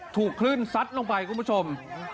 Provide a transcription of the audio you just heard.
ถูกคลื่นซัดลงไปคุณผู้ชม